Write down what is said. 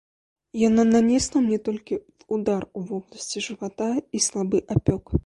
Яна нанесла мне толькі ўдар ў вобласці жывата і слабы апёк.